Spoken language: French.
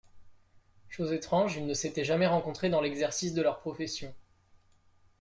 Chose étrange, ils ne s’étaient jamais rencontrés dans l’exercice de leur profession